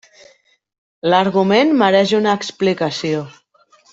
L'argument mereix una explicació.